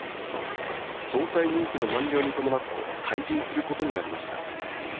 総裁任期の満了に伴って、退陣することになりました。